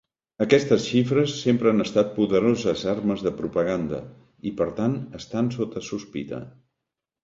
Aquestes xifres sempre han estat poderoses armes de propaganda, i per tant estan sota sospita.